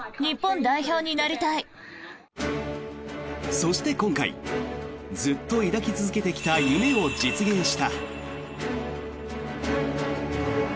そして、今回ずっと抱き続けてきた夢を実現した。